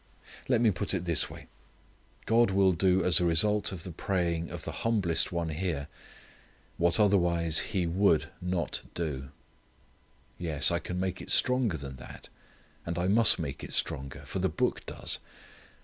Let me put it this way: God will do as a result of the praying of the humblest one here what otherwise He would not do. Yes, I can make it stronger than that, and I must make it stronger, for the Book does.